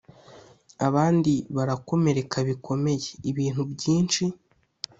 abandi barakomereka bikomeye, ibintu byinshi